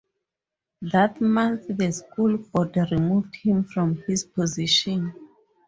That month the school board removed him from his position.